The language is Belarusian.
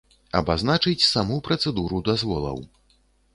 Абазначыць саму працэдуру дазволаў.